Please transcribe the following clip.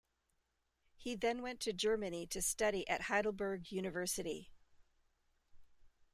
He then went to Germany to study at Heidelberg University.